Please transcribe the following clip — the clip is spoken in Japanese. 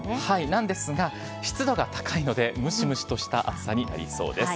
なんですが、湿度が高いので、ムシムシとした暑さになりそうです。